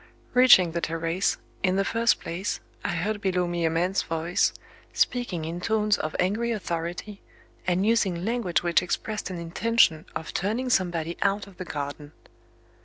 Reaching the terrace, in the first place, I heard below me a man's voice, speaking in tones of angry authority, and using language which expressed an intention of turning somebody out of the garden.